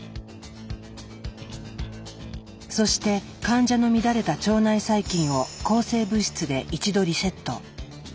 そして患者の乱れた腸内細菌を抗生物質で一度リセット。